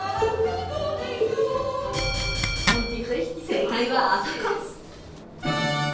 正解はあそこ。